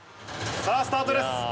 さあ、スタートです。